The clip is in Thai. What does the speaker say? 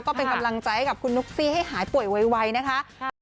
ก็เป็นกำลังใจให้กับคุณนุ๊กซี่ให้หายป่วยไวนะคะ